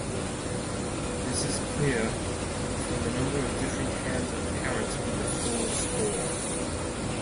This is clear from the number of different hands apparent in the full score.